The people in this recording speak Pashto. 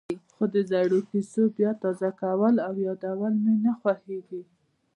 خو د زړو کېسو بیا تازه کول او یادول مې نه خوښېږي.